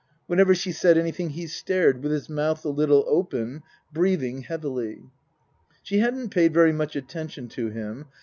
Whenever she said any thing he stared, with his mouth a little open, breathing heavily. She hadn't paid very much attention to him.